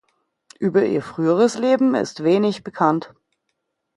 Über ihr früheres Leben ist wenig bekannt.